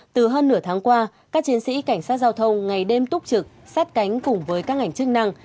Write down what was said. từ hơn nửa tháng qua các chiến sĩ cảnh sát giao thông ngày đêm túc trực sát cánh cùng với các ngành chức năng